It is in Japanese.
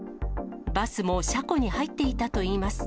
バスも車庫に入っていたといいま